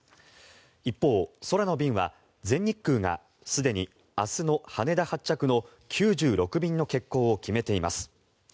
一方、空の便は全日空がすでに明日の羽田発着の９６便の欠航を決めています。